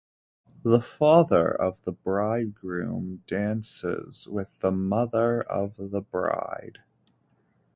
The father of the bridegroom dances with the mother of the bride.